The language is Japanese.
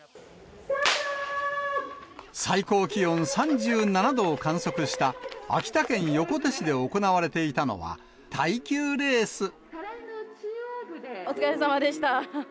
最高気温３７度を観測した秋田県横手市で行われていたのは、お疲れさまでした。